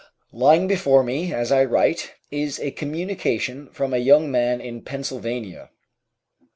Lying before me as I write is a communication from a young man in Pennsylvania.